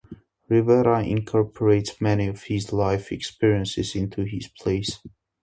Rivera incorporates many of his life experiences into his plays.